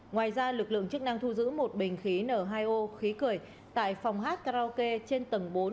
ngoài ra lực lượng chức năng thu giữ một bình khí n hai o khí cười tại phòng hát karaoke trên tầng bốn